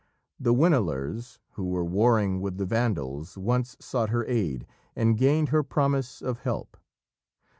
The Winilers who were warring with the Vandals once sought her aid, and gained her promise of help.